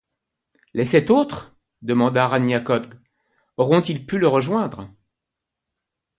Les sept autres ?… demanda Ranyah Cogh, auront-ils pu le rejoindre !…